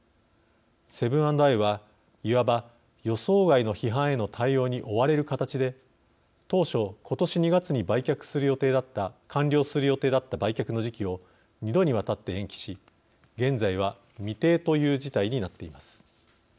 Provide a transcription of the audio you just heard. セブン＆アイはいわば予想外の批判への対応に追われる形で当初今年２月に完了する予定だった売却の時期を２度にわたって延期し現在は未定という事態になっています。